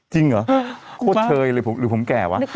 จริงเหรอโคตรเชยเลยหรือผมแก่วะ